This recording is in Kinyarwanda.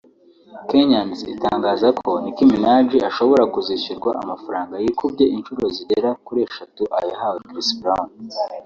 Kenyans itangaza ko Nicki Minaj ashobora kuzishyurwa amafaranga yikubye inshuro zigera kuri eshatu ayahawe Chris Brown